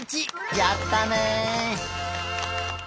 やったね！